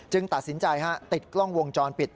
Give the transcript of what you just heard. ตัดสินใจติดกล้องวงจรปิด